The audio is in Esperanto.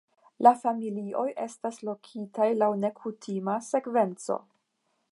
La familioj estas lokitaj laŭ nekutima sekvenco.